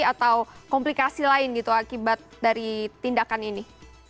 atau komplikasi lain gitu akibat dari tindakan ini